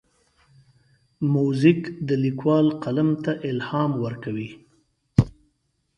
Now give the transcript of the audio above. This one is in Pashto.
موزیک د لیکوال قلم ته الهام ورکوي.